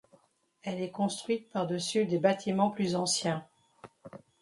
Elle est construite par-dessus des bâtiments plus anciens.